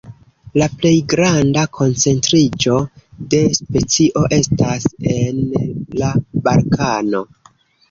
La plej granda koncentriĝo de specio estas en la Balkano.